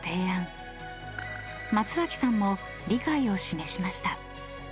［松脇さんも理解を示しました］